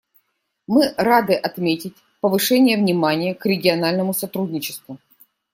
Мы рады отметить повышение внимания к региональному сотрудничеству.